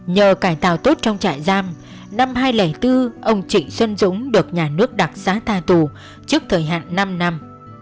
nhờ cải tạo tốt trong trại giam năm hai nghìn bốn ông trịnh xuân dũng được nhà nước đặc giá tha tù trước thời hạn năm năm